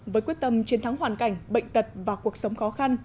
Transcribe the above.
với quyết tâm chiến thắng hoàn cảnh bệnh tật và cuộc sống khó khăn